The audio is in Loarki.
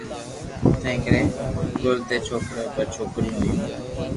تنهنڪري ڪل ٽي ڇوڪرا ۽ ٻه ڇوڪريون هيون.